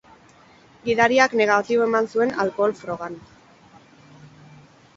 Gidariak negatibo eman zuen alkohol-frogan.